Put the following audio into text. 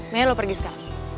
naya lo pergi sekarang